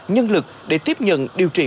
nhân lực để tiếp nhận điều trị